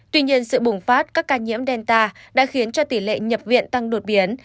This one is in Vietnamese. tuy nhiên sự bùng phát các ca nhiễm delta đã khiến cho tỷ lệ nhập viện tăng đột biến